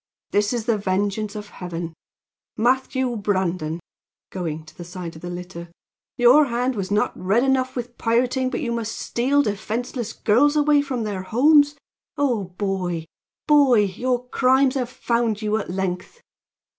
This is the vengeance of heaven! Matthew Brandon!" going to the side of the litter, "your hand was not red enough with pirating, but you must steal defenseless girls away from their homes! Oh, boy! boy your crimes have found you at length!"